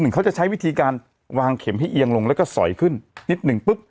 เขาจะใช้วิธีการวางเข็มให้เอียงลงแล้วก็สอยขึ้นนิดหนึ่งปุ๊บ